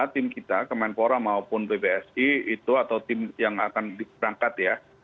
tim kita kemenpora maupun pbsi itu atau tim yang akan berangkat ya